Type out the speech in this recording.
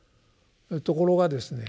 ところがですね